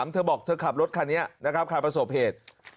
เธอบอกเธอขับรถคันนี้นะครับใครประสบเหตุ